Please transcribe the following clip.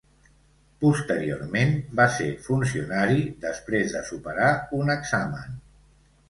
Posteriorment, va ser funcionari després de superar un examen.